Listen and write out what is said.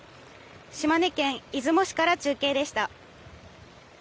島根県出雲市から中継でした。